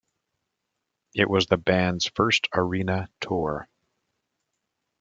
It was the band's first arena tour.